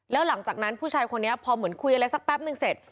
แล้วหลังจากนั้นผู้ชายคนนี้พอเหมือนคุยอะไรสักแป๊บนึงเสร็จ